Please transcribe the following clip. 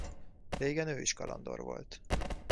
Régen ő is kalandor volt.